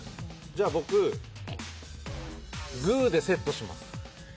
じゃあ、僕、グーでセットします。